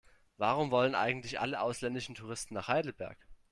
Warum wollen eigentlich alle ausländischen Touristen nach Heidelberg?